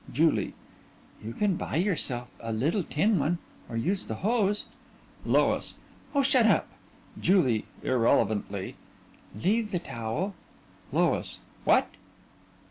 JULIE: You can buy yourself a little tin one, or use the hose LOIS: Oh, shut up! JULIE: (Irrelevantly) Leave the towel. LOIS: What?